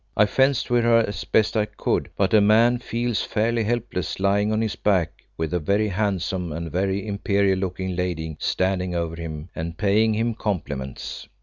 I fenced with her as best I could; but a man feels fairly helpless lying on his back with a very handsome and very imperial looking lady standing over him and paying him compliments.